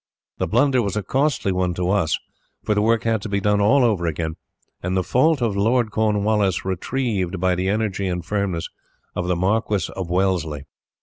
The blunder was a costly one to us, for the work had to be done all over again, and the fault of Lord Cornwallis retrieved by the energy and firmness of the Marquis of Wellesley.